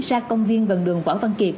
ra công viên gần đường võ văn kiệt